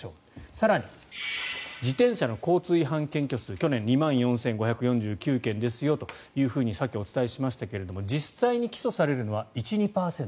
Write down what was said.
更に、自転車の交通違反検挙数去年２万４５４９件ですとさっきお伝えしましたが実際に起訴されるのは１２％。